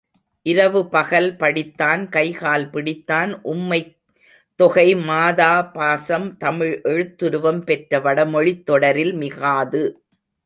இரவு பகல் படித்தான், கைகால் பிடித்தான் உம்மைத்தொகை, மாதாபாசம் தமிழ் எழுத்துருவம் பெற்ற வடமொழித் தொடரில் மிகாது.